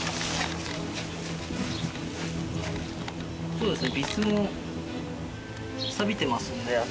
そうですね。